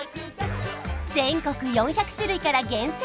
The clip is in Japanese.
全国４００種類から厳選！